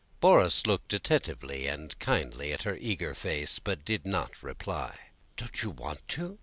Borís looked attentively and kindly at her eager face, but did not reply. "Don't you want to?